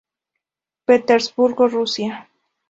Petersburgo, Rusia.